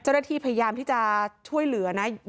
ได้ที่พยายามจะช่วยเหลือน่ะ